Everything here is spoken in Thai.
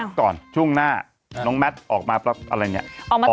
ก่อนช่วงหน้าน้องแมทออกมาปั๊บอะไรอย่างนี้